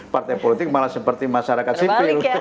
partai politik malah seperti masyarakat sipil